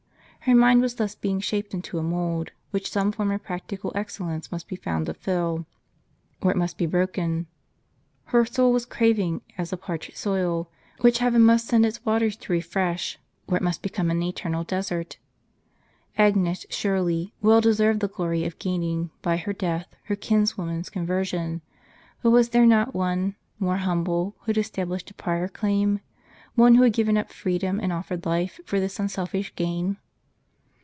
Her mind was thus being shaped into a mould, which some form of prac tical excellence must be found to fill, or it must be broken ; her soul was craving as a parched soil, which heaven unist send its waters to refresh, or it must become an eternal desert. Agnes, surely, well deserved the glory of gaining, by her death, her kinswoman's conversion ; but was there not one, more humble, who had established a prior claim ? One who had given up freedom, and offered life, for this unselfish gain